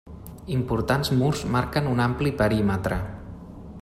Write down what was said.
Importants murs marquen un ampli perímetre.